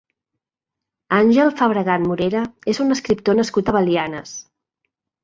Àngel Fabregat Morera és un escriptor nascut a Belianes.